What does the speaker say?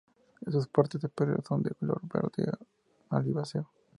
Sus partes superiores son de color verde oliváceo.